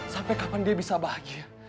sampai kapan dia bisa bahagia